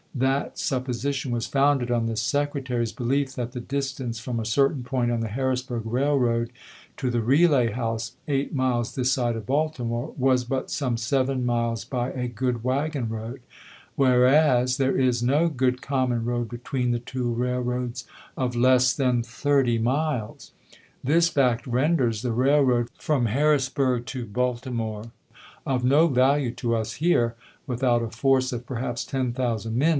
That supposition was founded on the Secretary's belief that the distance from a certain point on the Harrisburg rail road to the Relay House, eight miles this side of Balti more, was but some seven miles by a good wagon road, whereas there is no good common road between the two Gen. Scott railroads of less than thirty miles. This fact renders the to Patter railroad from Harrisburg to Baltimore of no value to us son, April ^ 22,1861. here, without a force of perhaps ten thousand men to W It Vol .. if., p. 587.